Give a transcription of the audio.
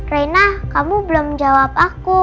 reina kamu belum jawab aku